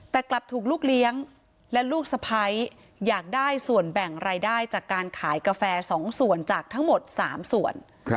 แต่กลับถูกลูกเลี้ยงและลูกสะพ้ายอยากได้ส่วนแบ่งรายได้จากการขายกาแฟ๒ส่วนจากทั้งหมด๓ส่วน